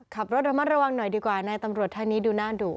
ขับรถระมัดระวังหน่อยดีกว่านายตำรวจท่านนี้ดูหน้าดุ